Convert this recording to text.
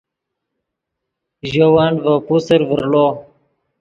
ژے ون ڤے پوسر ڤرڑو